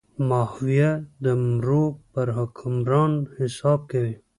ماهویه د مرو پر حکمران حساب کوي.